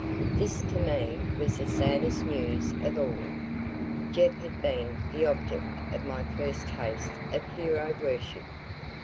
This to me was the saddest news of all; Jeff had been the object of my first case of hero worship.